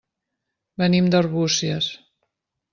Venim d'Arbúcies.